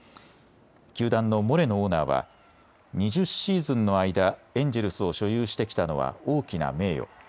球団のモレノオーナーは２０シーズンの間、エンジェルスを所有してきたのは大きな名誉。